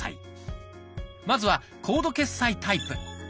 まずは「コード決済」タイプ。